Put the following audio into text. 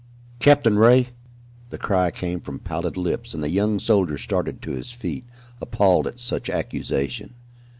"Captain Ray!" The cry came from pallid lips, and the young soldier started to his feet, appalled at such accusation.